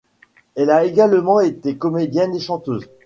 Elle a également été comédienne et chanteuse.